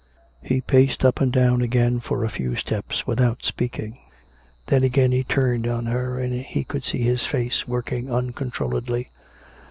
He paced up and down again for a few steps without speaking. Then again he turned on her, and she could see his face working uncontrolledly.